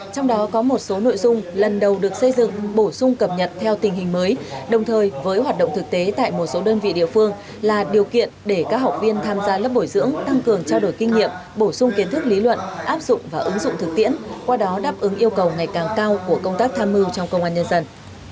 trong đó có một số nội dung lần đầu được xây dựng bổ sung cập nhật theo tình hình mới đồng thời với hoạt động thực tế tại một số đơn vị địa phương là điều kiện để các học viên tham gia lớp bồi dưỡng tăng cường trao đổi kinh nghiệm bổ sung kiến thức lý luận áp dụng và ứng dụng thực tiễn qua đó đáp ứng yêu cầu ngày càng cao của công tác tham mưu trong công an nhân dân